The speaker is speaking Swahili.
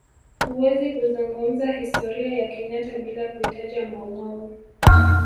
Huwezi kuzungumza historia ya kenyatta bila kuitaja maumau